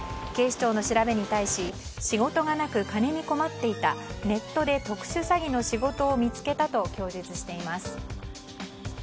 警視庁の調べに対し仕事がなく金に困っていたネットで特殊詐欺の仕事を見つけたと供述しています。